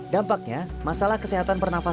dampaknya masalah kesehatan pernah berlaku